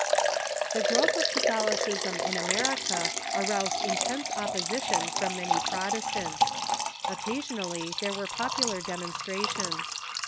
The growth of Catholicism in America aroused intense op position from many Protestants. Occasionally there were pop ular demonstrations.